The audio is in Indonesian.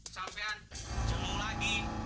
sampai jeluh lagi